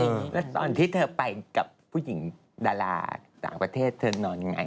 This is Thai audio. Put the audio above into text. แล้วตอนที่เธอไปกับผู้หญิงดาราต่างประเทศเธอนอนยังไง